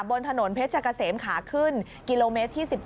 บนถนนเพชรกะเสมขาขึ้นกิโลเมตรที่๑๗